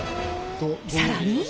更に。